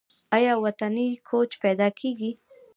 آیا وطني کوچ پیدا کیږي؟